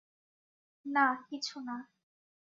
না, কিছু না।